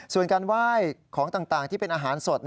ส่วนการไหว้ของต่างที่เป็นอาหารสด